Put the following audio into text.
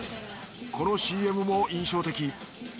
このＣＭも印象的。